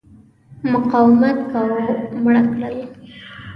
مقاومت کاوه مړه کړل.